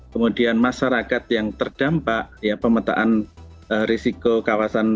kemudian masyarakat yang terdampak ya pemetaan risiko kawasan